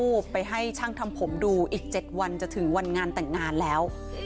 ไปให้ช่างทำผมดูอีก๗วันจะถึงวันงานแต่งงานแล้ว